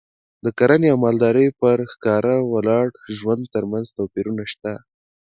د کرنې او مالدارۍ او پر ښکار ولاړ ژوند ترمنځ توپیرونه شته